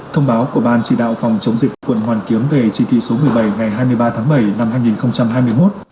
thông báo của ban chỉ đạo phòng chống dịch quận hoàn kiếm về chỉ thị số một mươi bảy ngày hai mươi ba tháng bảy năm hai nghìn hai mươi một